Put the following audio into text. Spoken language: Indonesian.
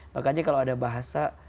makanya kalau ada bahasa